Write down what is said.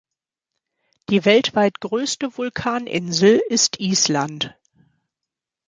Die weltweit größte Vulkaninsel ist Island.